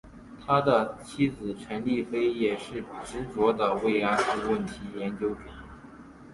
他的妻子陈丽菲也是执着的慰安妇问题研究者。